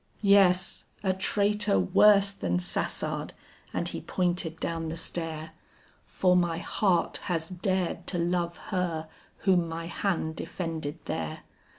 "Yes, a traitor worse than Sassard;" and he pointed down the stair, "For my heart has dared to love her whom my hand defended there.